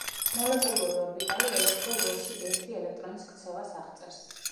მოლეკულური ორბიტალი ელექტრულ ველში ერთი ელექტრონის ქცევას აღწერს.